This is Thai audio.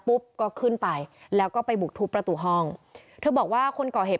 ปุ๊บก็ขึ้นไปแล้วก็ไปบุกทุบประตูห้องเธอบอกว่าคนก่อเหตุ